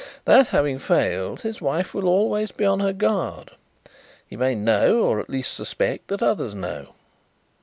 "That having failed, his wife will always be on her guard. He may know, or at least suspect, that others know.